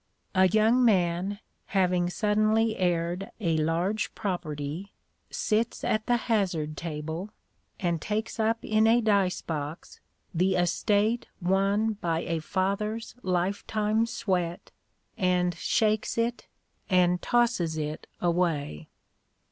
A young man, having suddenly heired a large property, sits at the hazard table, and takes up in a dice box the estate won by a father's lifetime sweat, and shakes it, and tosses it away.